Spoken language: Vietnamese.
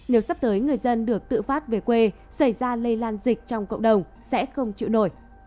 nếu sắp tới người dân được tự phát về quê xảy ra lây lan dịch trong cộng đồng sẽ không chịu nổi